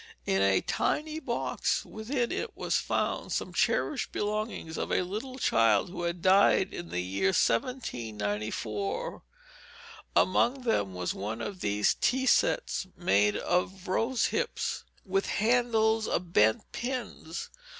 In a tiny box within it was found some cherished belongings of a little child who had died in the year 1794. Among them was one of these tea sets made of rose hips, with handles of bent pins.